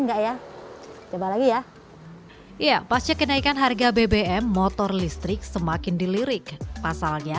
enggak ya coba lagi ya iya pasca kenaikan harga bbm motor listrik semakin dilirik pasalnya